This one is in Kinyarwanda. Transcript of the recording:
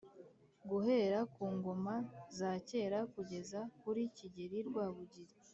guhera ku ngoma za kera kugeza kuri kigeli rwabugili